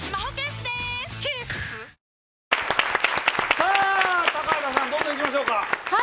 さあ、高畑さん、どんどんいきましょうか。